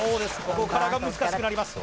ここからが難しくなります